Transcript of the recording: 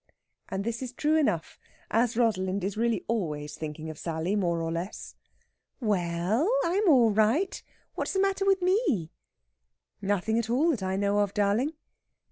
And this is true enough, as Rosalind is really always thinking of Sally, more or less. "We ell, I'm all right. What's the matter with me?" "Nothing at all that I know of, darling."